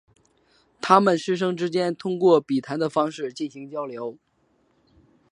他们师生之间通过笔谈的方式进行交流。